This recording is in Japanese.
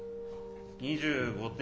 ２５点。